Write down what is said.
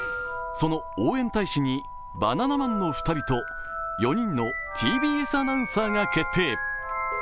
その応援大使にバナナマンの２人と４人のＴＢＳアナウンサーが決定。